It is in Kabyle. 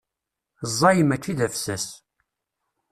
Ẓẓay mačči d afessas.